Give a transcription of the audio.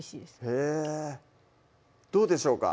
へぇどうでしょうか？